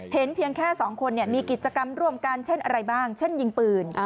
เพียงแค่สองคนมีกิจกรรมร่วมกันเช่นอะไรบ้างเช่นยิงปืน